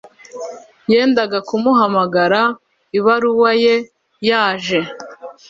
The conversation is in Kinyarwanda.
Yendaga kumuhamagara ibaruwa ye yaje